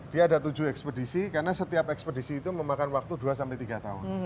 dia ada tujuh ekspedisi karena setiap ekspedisi itu memakan waktu dua sampai tiga tahun